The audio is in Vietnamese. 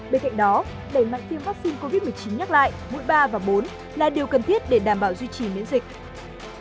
bên cạnh đó đẩy mạnh tiêm vaccine covid một mươi chín nhắc lại mũi ba và bốn là điều cần thiết để đảm bảo duy trì miễn dịch